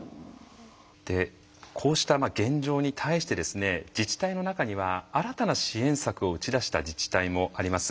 でこうした現状に対してですね自治体の中には新たな支援策を打ち出した自治体もあります。